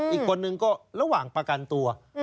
อีกคนนึงก็ระหว่างประกันตัว